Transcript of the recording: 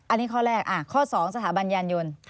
อันนี้ข้อแรกข้อ๒สถาบันยานยนต์